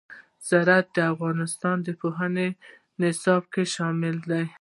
زراعت د افغانستان د پوهنې نصاب کې شامل دي.